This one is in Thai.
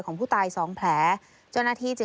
ส่วนรถที่นายสอนชัยขับอยู่ระหว่างการรอให้ตำรวจสอบ